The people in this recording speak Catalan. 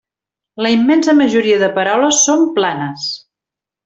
La immensa majoria de paraules són planes.